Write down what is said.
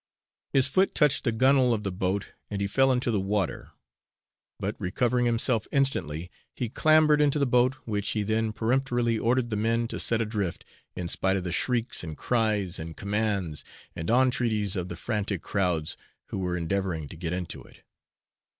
His foot touched the gunwale of the boat, and he fell into the water; but recovering himself instantly, he clambered into the boat, which he then peremptorily ordered the men to set adrift, in spite of the shrieks, and cries, and commands, and entreaties of the frantic crowds who were endeavouring to get into it.